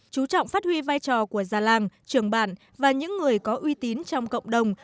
chú trọng phát huy vai trò của già làng trưởng bản và những người có uy tín trong cộng đồng